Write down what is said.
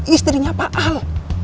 istrinya pak al